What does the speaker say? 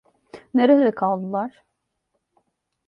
Nerede kaldılar?